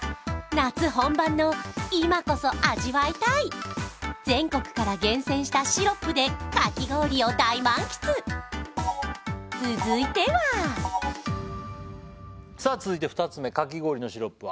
夏本番の今こそ味わいたい全国から厳選したシロップでかき氷を大満喫続いてはさあ続いて２つ目かき氷のシロップは？